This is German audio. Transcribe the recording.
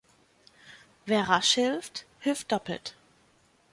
Wer rasch hilft, hilft doppelt.